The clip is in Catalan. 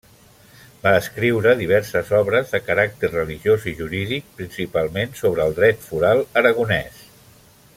Va escriure diverses obres de caràcter religiós i jurídic, principalment sobre el dret foral aragonès.